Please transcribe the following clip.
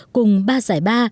cùng ba giải ba